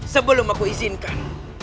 sebelum aku izinkan